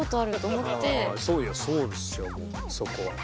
そうですよもうそこは。